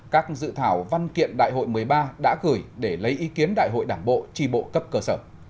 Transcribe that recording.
các dự thảo văn kiện đại hội một mươi ba đã gửi để lấy ý kiến đại hội đảng bộ tri bộ cấp cơ sở